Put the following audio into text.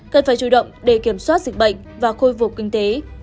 cần phải chủ động để kiểm soát dịch bệnh và khôi phục kinh tế